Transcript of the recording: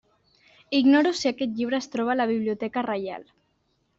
Ignoro si aquest llibre es troba a la Biblioteca Reial.